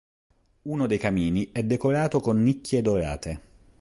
Uno dei camini è decorato con nicchie dorate.